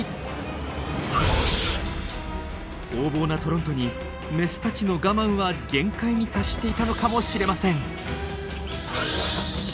横暴なトロントにメスたちの我慢は限界に達していたのかもしれません。